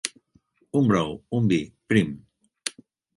Un brou, un vi, prim.